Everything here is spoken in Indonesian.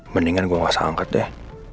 mendingan gue gak usah angkat deh